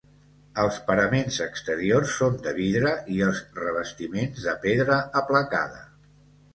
Els paraments exteriors són de vidre i els revestiments de pedra aplacada.